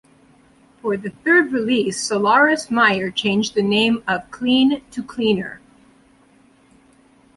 For the third release, "Solaris", Myer changed the name of Cleen to Cleaner.